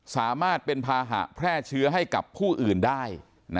สามารถเป็นภาหะแพร่เชื้อให้กับผู้อื่นได้